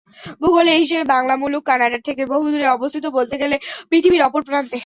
ভূগোলের হিসেবে বাংলা মুলুক কানাডার থেকে বহুদূরে অবস্থিত—বলতে গেলে পৃথিবীর অপর প্রান্তে।